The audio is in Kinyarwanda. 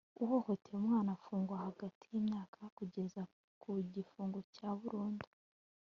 uhohoteye umwana afungwa hagati y'imyaka kugeza ku gifungo cya burundu